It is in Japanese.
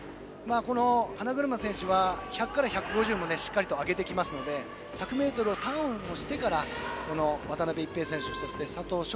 この花車選手１００から１５０もしっかり上げてきますので１００ｍのターンをしてから渡辺一平選手、佐藤翔